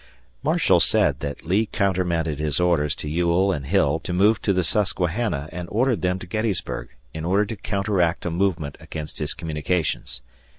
Marshall said that Lee countermanded his orders to Ewell and Hill to move to the Susquehanna and ordered them to Gettysburg, in order tocounteract a movement against his communications.